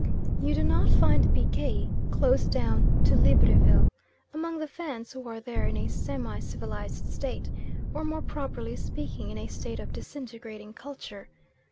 You do not find bikei close down to Libreville, among the Fans who are there in a semi civilised state, or more properly speaking in a state of disintegrating culture.